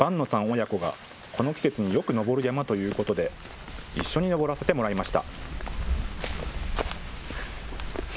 親子がこの季節によく登る山ということで一緒に登らせてもらいました。